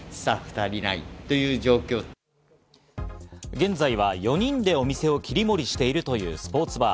現在は４人でお店を切り盛りしているというスポーツバー。